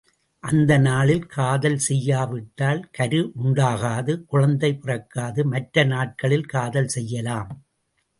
அந்த நாளில் காதல் செய்யா விட்டால் கரு உண்டாகாது, குழந்தை பிறக்காது, மற்ற நாட்களில் காதல் செய்யலாம்.